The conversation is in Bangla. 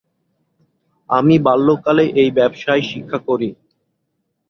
আমি বাল্যকালে এই ব্যবসায় শিক্ষা করি।